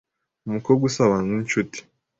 Umukobwa usabana n’inshuti